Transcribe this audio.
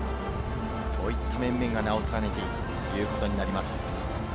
こういった面々が名を連ねているということになります。